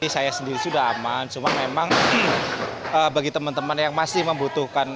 saya sendiri sudah aman cuma memang bagi teman teman yang masih membutuhkan